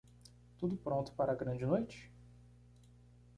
Tudo pronto para a grande noite?